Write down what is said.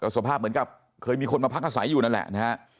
สภาพเหมือนกับเคยมีคนมาพักอาศัยอยู่นั่นแหละนะฮะ